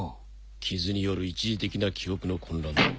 傷による一時的な記憶の混乱だ。